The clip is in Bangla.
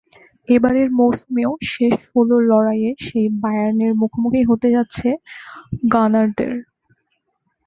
এবারের মৌসুমেও শেষ ষোলোর লড়াইয়ে সেই বায়ার্নের মুখোমুখিই হতে হচ্ছে গানারদের।